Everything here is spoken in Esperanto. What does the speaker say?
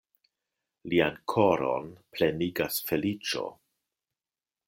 Lian koron plenigas feliĉo!